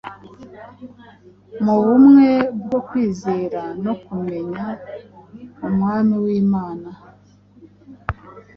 mu bumwe bwo kwizera no kumenya Umwana w’Imana,